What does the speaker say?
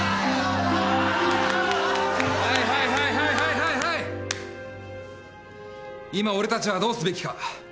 はいはいはいはいはいはいはい今俺たちはどうすべきか。